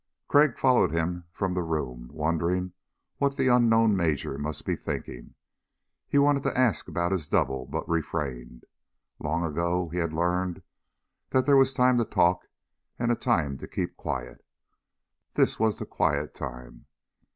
Crag followed him from the room wondering what the unknown Major must be thinking. He wanted to ask about his double but refrained. Long ago he had learned there was a time to talk, and a time to keep quiet. This was the quiet time.